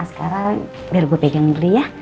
askarah biar gue pegang diri ya